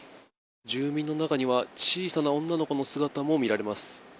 住民の中には小さな女の子の姿も見られます。